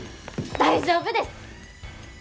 大丈夫です！